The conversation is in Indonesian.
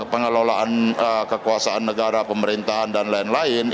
pengelolaan kekuasaan negara pemerintahan dan lain lain